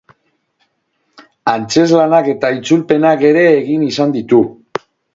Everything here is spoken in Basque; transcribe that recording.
Antzezlanak eta itzulpenak ere egin izan ditu.